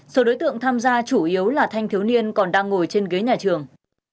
số đối tượng tham gia chủ yếu là thanh thiếu niên còn đang ngồi trên ghế nhà trường